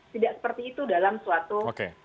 tidak seperti itu dalam suatu